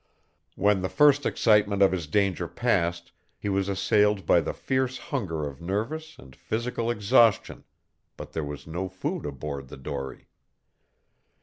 When the first excitement of his danger passed he was assailed by the fierce hunger of nervous and physical exhaustion, but there was no food aboard the dory.